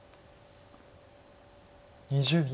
２０秒。